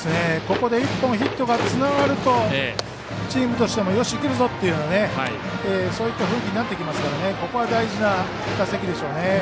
ここで１本ヒットがつながるとチームとしてもよし、いけるぞ！というそういった雰囲気になってきますからここは大事な打席でしょうね。